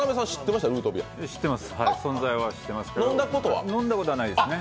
知ってます、存在は知ってましたけど、飲んだことはないですね。